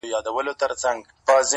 لوڅ لپړ وو په كوټه كي درېدلى!!